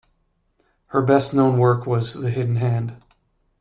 Her best known work was "The Hidden Hand".